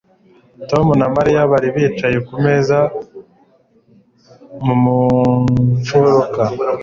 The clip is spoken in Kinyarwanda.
Tom na Mariya bari bicaye kumeza mu mfuruka.